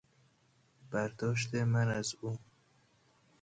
برداشت من از منظور او